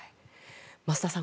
増田さん